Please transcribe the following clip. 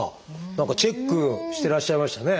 何かチェックしてらっしゃいましたね。